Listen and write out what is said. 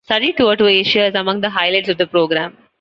Study tour to Asia is among the highlights of the programme.